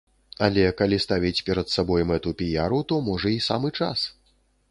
Але калі ставіць перад сабой мэту піяру, то, можа, і самы час.